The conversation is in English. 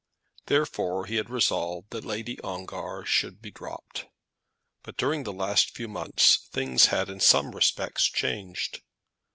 Therefore, he had resolved that Lady Ongar should be dropped. But during the last few months things had in some respects changed.